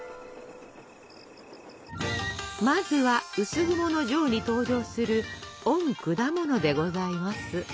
まずは「薄雲」の帖に登場する「御くだもの」でございます。